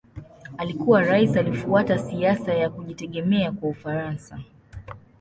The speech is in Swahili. Akiwa rais alifuata siasa ya kujitegemea kwa Ufaransa.